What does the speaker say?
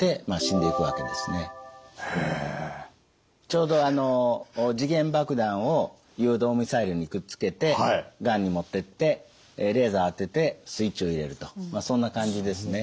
ちょうどあの時限爆弾を誘導ミサイルにくっつけてがんに持ってってレーザー当ててスイッチを入れるとそんな感じですね。